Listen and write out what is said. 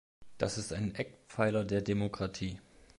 Das ist ein Eckpfeiler der Demokratie.